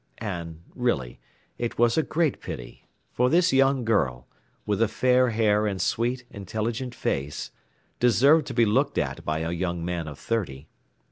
And really it was a great pity, for this young girl, with the fair hair and sweet, intelligent face, deserved to be looked at by a young man of thirty.